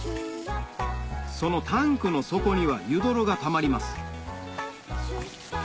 そのタンクの底には湯泥がたまります